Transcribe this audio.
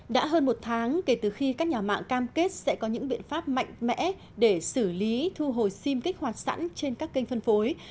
đã hơn một tháng kể từ khi các nhà mạng cam kết sẽ có những biện pháp mạnh mẽ để xử lý thu hồi sim kích hoạt sẵn trên các kênh phân phối